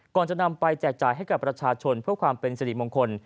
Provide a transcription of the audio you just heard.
ก่อนจะนำไปแจกจ่ายให้กับประชาชนเพื่อความเป็นสิริมงคล